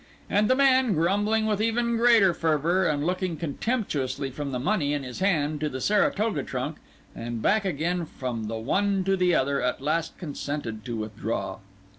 And the man, grumbling with even greater fervour, and looking contemptuously from the money in his hand to the Saratoga trunk and back again from the one to the other, at last consented to withdraw.